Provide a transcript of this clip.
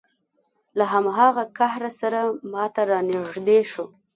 له هماغه قهره سره ما ته را نږدې شو.